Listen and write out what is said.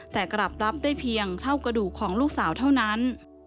แต่กลับรับได้เพียงเท่ากระดูกของลูกสาวเท่านั้น